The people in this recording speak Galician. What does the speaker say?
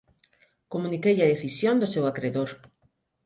Comuniqueille a decisión do seu acredor.